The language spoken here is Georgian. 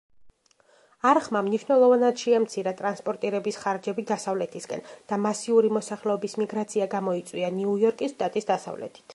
არხმა მნიშვნელოვნად შეამცირა ტრანსპორტირების ხარჯები დასავლეთისკენ და მასიური მოსახლეობის მიგრაცია გამოიწვია ნიუ-იორკის შტატის დასავლეთით.